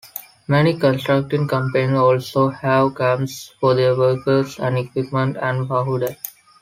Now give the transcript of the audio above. Many contracting companies also have camps for their workers and equipment at Fahud.